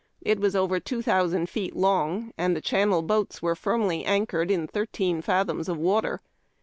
It was over two thousand feet long, and the channel boats were firmly anchored in thirteen fathoms of water.